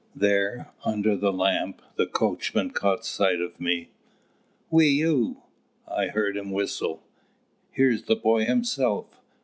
There, under the lamp, the coachman caught sight of me. "Whe ew!" I heard him whistle. "Here's the boy himself!